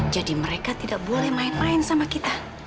jadi mereka tidak boleh main main sama kita